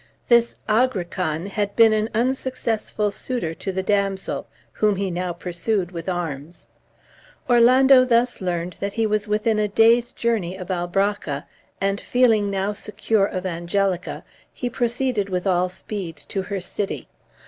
This Agrican had been an unsuccessful suitor to the damsel, whom he now pursued with arms. Orlando thus learned that he was within a day's journey of Albracca; and, feeling now secure of Angelica, he proceeded with all speed to her city.